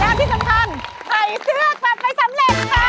และที่สำคัญใส่เสื้อกลับไปสำเร็จค่ะ